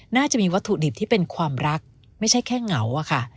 น่าจะมีวัตถุดิบที่เป็นความรักไม่ใช่แค่เหงาอะค่ะ